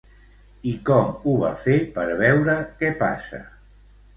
I com ho va fer per veure què passa?